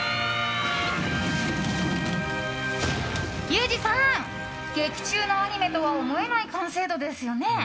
ユージさん、劇中のアニメとは思えない完成度ですよね。